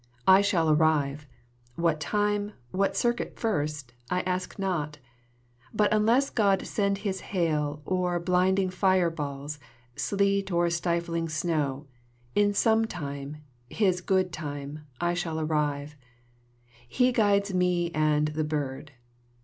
I shall arrive what time, what circuit first, I ask not; but unless God send his hail Or blinding fire balls, sleet, or stifling snow, In some time, his good time, I shall arrive: He guides me and the bird.